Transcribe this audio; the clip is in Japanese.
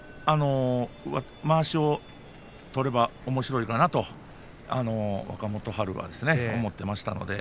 まわしを取ればおもしろいかなと若元春はと思っていましたので。